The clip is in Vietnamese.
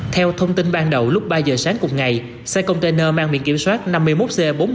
theo thông tin ban đầu lúc ba giờ sáng cùng ngày xe container mang miệng kiểm soát năm mươi một c bốn mươi một nghìn năm trăm hai mươi ba